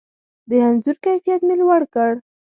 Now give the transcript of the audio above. د انځور کیفیت مې لوړ کړ.